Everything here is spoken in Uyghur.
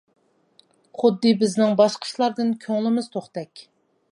خۇددى بىزنىڭ باشقا ئىشلاردىن كۆڭلىمىز توقتەك.